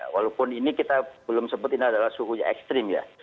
walaupun ini kita belum sebutin adalah suhunya ekstrim ya